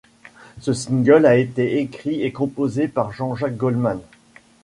Ce single a été écrit et composé par Jean-Jacques Goldman.